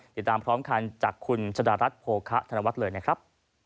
ติดตามพร้อมกันจากคุณชะดารัฐโภคะธนวัฒน์เลยนะครับ